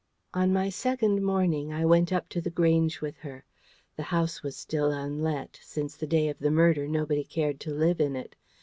On my second morning I went up to The Grange with her. The house was still unlet. Since the day of the murder, nobody cared to live in it.